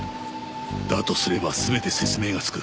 だとすれば全て説明がつく。